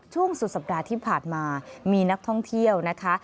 สุดสัปดาห์ที่ผ่านมามีนักท่องเที่ยวนะคะ